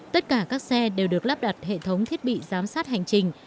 tất cả các xe đều được lắp đặt hệ thống thiết bị giám sát hành trình